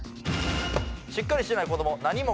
しっかりしてない子ども